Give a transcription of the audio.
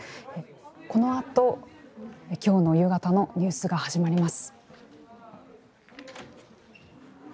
このあと、今日の夕方のニュースが始まります。